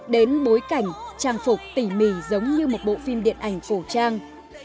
đến bối cảnh trang phục tỉ mỉ giống như một bộ phim điện ảnh cổ trang